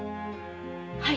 はい。